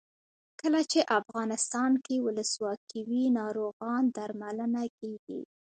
کله چې افغانستان کې ولسواکي وي ناروغان درملنه کیږي.